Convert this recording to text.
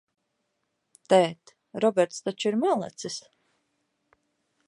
Tēt, Roberts taču ir malacis?